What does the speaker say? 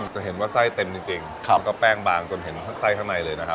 จะเห็นว่าไส้เต็มจริงแล้วก็แป้งบางจนเห็นไส้ข้างในเลยนะครับ